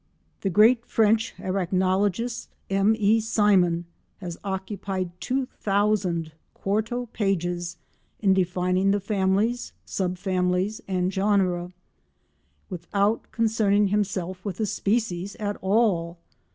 The great French arachnologist, M. E. Simon, has occupied 2,000 quarto pages in defining the families, sub families and genera, without concerning himself with the species at all!